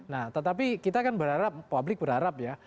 nah tetapi kita kan berharap publik berharap ya